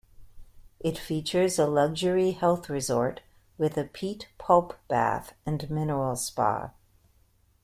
It features a luxury health resort with a peat pulp bath and mineral spa.